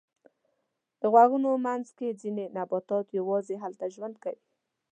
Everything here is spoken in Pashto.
د غرونو منځ کې ځینې نباتات یواځې هلته ژوند کوي.